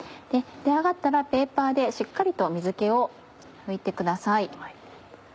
ゆで上がったらペーパーでしっかりと水気を拭いてください。